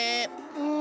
うん。